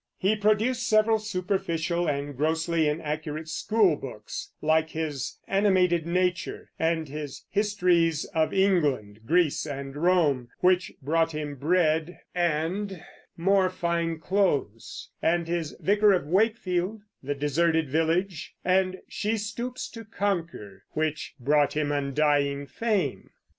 He produced several superficial and grossly inaccurate schoolbooks, like his Animated Nature and his histories of England, Greece, and Rome, which brought him bread and more fine clothes, and his Vicar of Wakefield, The Deserted Village, and She Stoops to Conquer, which brought him undying fame.